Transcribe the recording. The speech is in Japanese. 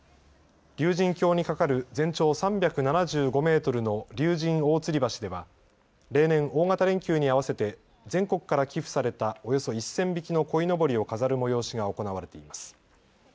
竜神峡に架かる全長３７５メートルの竜神大吊橋では例年、大型連休に合わせて全国から寄付されたおよそ１０００匹のこいのぼりを飾る催しが行われています。